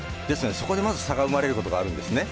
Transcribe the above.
そこで、まず差が生まれることがあるんですね。